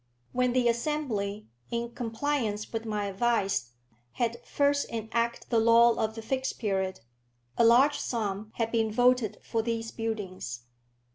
When the Assembly, in compliance with my advice, had first enacted the law of the Fixed Period, a large sum had been voted for these buildings.